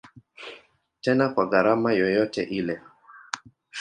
Tena kwa gharama yoyote ile.